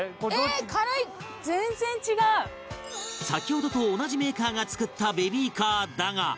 先ほどと同じメーカーが作ったベビーカーだが